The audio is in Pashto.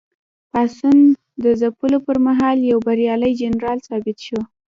پاڅون د ځپلو پر مهال یو بریالی جنرال ثابت شو.